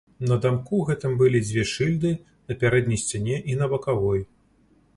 На дамку гэтым былі дзве шыльды на пярэдняй сцяне і на бакавой.